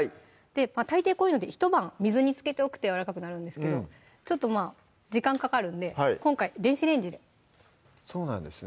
大抵こういうのって一晩水につけておくとやわらかくなるんですけどちょっとまぁ時間かかるんで今回電子レンジでそうなんですね